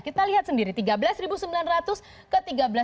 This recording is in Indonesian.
kita lihat sendiri tiga belas sembilan ratus ke tiga belas satu ratus lima puluh